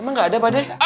emang gak ada pak d